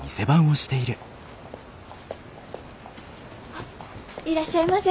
あっいらっしゃいませ。